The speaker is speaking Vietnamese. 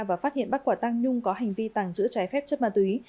và phát hiện bắt quả tăng nhung có hành vi tàng trữ trái phép chất ma túy